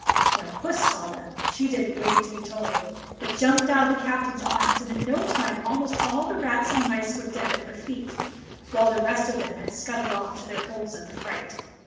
When Puss saw them, she didn't wait to be told, but jumped out of the captain's arms, and in no time almost all the rats and mice were dead at her feet, while the rest of them had scuttled off to their holes in fright.